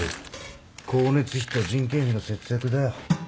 光熱費と人件費の節約だよ。